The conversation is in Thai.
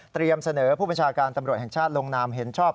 เตรียมเสนอพูดปลอชาการตำรวจอ่างชาติลงนามเห็นชอบ